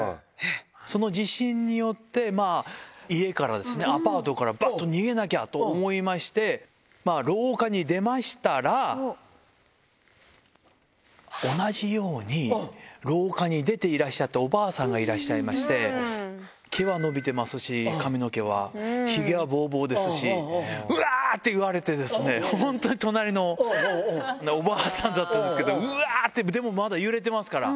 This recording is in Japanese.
その地震によって、家から、アパートからばっと逃げなきゃと思いまして、廊下に出ましたら、同じように、廊下に出ていらっしゃったおばあさんがいらっしゃいまして、毛は伸びてますし、髪の毛は、ひげはぼーぼーですし、うわーって言われてですね、本当に隣のおばあちゃんだったんですけど、うわーって、でもまだ揺れてますから。